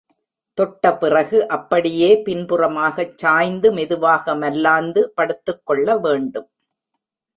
தொட்ட பிறகு அப்படியே பின்புறமாகச் சாய்ந்து மெதுவாக மல்லாந்து படுத்துக் கொள்ள வேண்டும்.